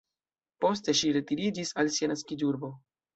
Poste ŝi retiriĝis al sia naskiĝurbo.